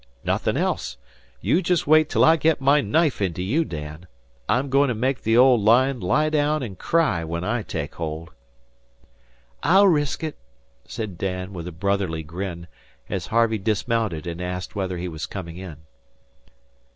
"Nothing else. You just wait till I get my knife into you, Dan. I'm going to make the old line lie down and cry when I take hold." "I'll resk it," said Dan, with a brotherly grin, as Harvey dismounted and asked whether he were coming in.